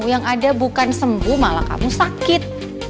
yang ada bukan sembuh malah kamu sakit